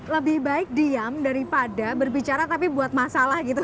lebih baik diam daripada berbicara tapi buat masalah gitu